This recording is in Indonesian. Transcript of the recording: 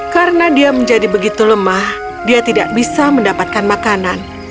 karena dia menjadi begitu lemah dia tidak bisa mendapatkan makanan